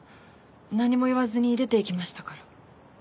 何も言わずに出て行きましたから。